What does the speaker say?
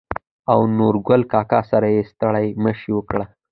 او نورګل کاکا سره يې ستړي مشې وکړه.